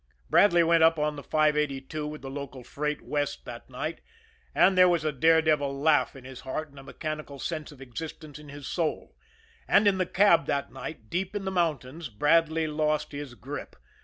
Bradley went up on the 582 with the local freight, west, that night, and there was a dare devil laugh in his heart and a mechanical sense of existence in his soul. And in the cab that night, deep in the mountains, Bradley lost his grip.